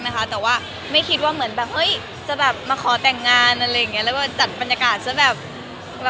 แต่ว่าไม่คิดว่าจะมาขอแต่งงานจัดบรรยากาศจะแบบเขินอะ